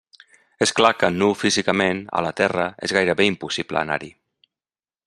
És clar que nu físicament, a la Terra, és gairebé impossible anar-hi.